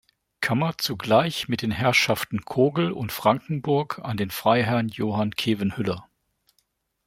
Kammer zugleich mit den Herrschaften Kogl und Frankenburg an den Freiherrn Johann Khevenhüller.